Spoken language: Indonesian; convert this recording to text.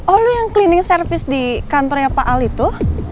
oh lu yang cleaning service di kantornya pak al itu